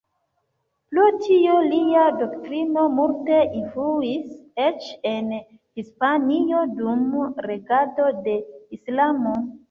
Pro tio, lia doktrino multe influis eĉ en Hispanio dum regado de Islamo.